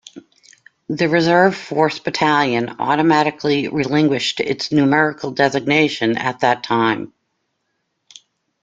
The Reserve Force battalion automatically relinquished its numerical designation at that time.